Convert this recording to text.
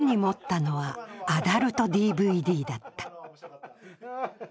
手に持ったのは、アダルトＤＶＤだった。